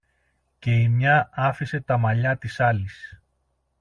και η μια άφησε τα μαλλιά της άλλης.